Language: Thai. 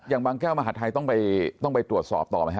อย่างบางแก้วมหาดไทยต้องไปตรวจสอบต่อไหมฮ